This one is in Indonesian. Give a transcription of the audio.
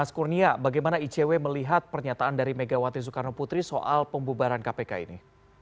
mas kurnia bagaimana icw melihat pernyataan dari megawati soekarno putri soal pembubaran kpk ini